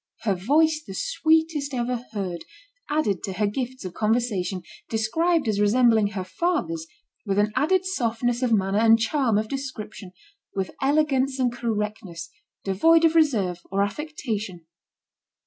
Her "voice the sweetest ever heard/' added to her gifts of conversation, described as resembling her father's with an added softness of manner and charm of description, with elegance and correctness, devoid of reserve or affectation.